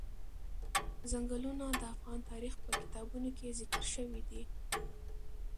ځنګلونه د افغان تاریخ په کتابونو کې ذکر شوی دي.